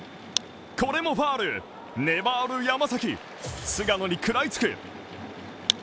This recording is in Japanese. これもファウルで粘る山崎菅野に食らい付く。